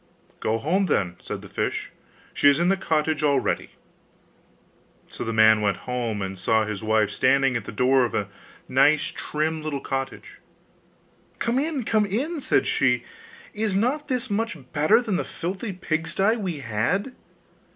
'Go home, then,' said the fish; 'she is in the cottage already!' So the man went home, and saw his wife standing at the door of a nice trim little cottage. 'Come in, come in!' said she; 'is not this much better than the filthy pigsty we had?